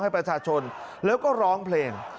ให้ประชาชนแล้วก็ร้องเพลง